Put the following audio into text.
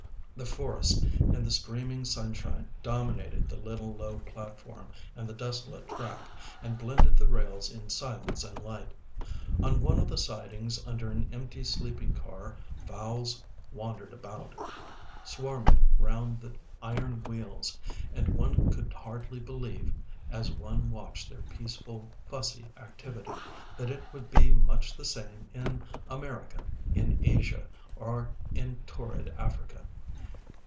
The forest and the streaming sunshine dominated the little low platform and the desolate track, and blended the rails in silence and light. On one of the sidings under an empty sleeping car fowls wandered about, swarming round the iron wheels, and one could hardly believe, as one watched their peaceful, fussy activity, that it would be much the same in America, in Asia, or in torrid Africa....